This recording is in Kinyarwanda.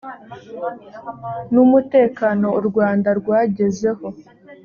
n umutekano u rwanda rwagezeho